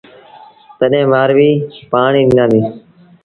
تڏهيݩ مآرويٚ پآڻيٚ ڏنآݩديٚ۔